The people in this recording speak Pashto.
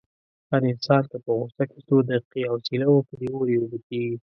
هر انسان که په غوسه کې څو دقیقې حوصله وکړي، اور یې اوبه کېږي.